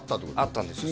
あったんですよ